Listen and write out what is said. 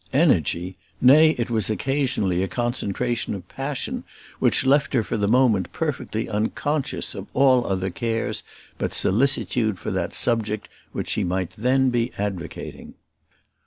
Energy! nay, it was occasionally a concentration of passion, which left her for the moment perfectly unconscious of all other cares but solicitude for that subject which she might then be advocating.